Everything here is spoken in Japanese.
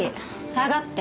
下がって。